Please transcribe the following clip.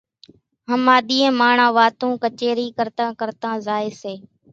ۿماۮِيئين ماڻۿان واتون ڪچيرِي ڪرتان ڪرتان زائي سي